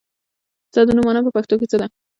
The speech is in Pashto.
ستا د نوم مانا په پښتو کې څه ده ؟